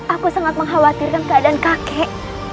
aku sangat mengkhawatirkan keadaan kakek